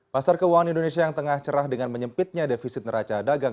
pasar keuangan indonesia yang tengah cerah dengan menyempitnya defisit neraca dagang